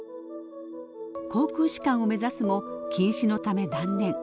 航空士官を目指すも近視のため断念。